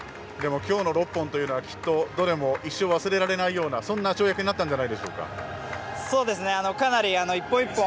きょうの６本というのはどれも一生忘れられないような跳躍になったんじゃないでしょうか。